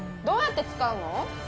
どうやって使うの？